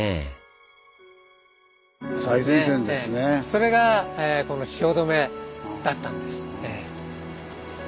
それがこの汐留だったんです。